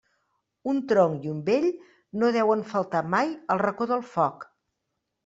Un tronc i un vell no deuen faltar mai al racó del foc.